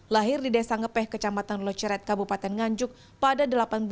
lahir di desa ngepeh kecamatan loceret kabupaten nganjuk pada seribu delapan ratus tujuh puluh